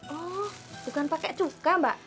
oh bukan pakai cuka mbak